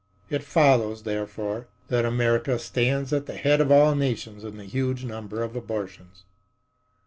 It follows, therefore, that America stands at the head of all nations in the huge number of abortions."